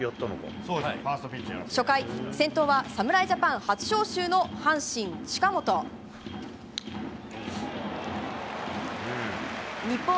初回、先頭は侍ジャパン初招集の阪神、近本。